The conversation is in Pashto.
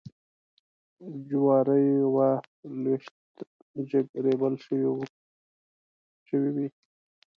جوارېوه لویشت جګ ریبل شوي وې.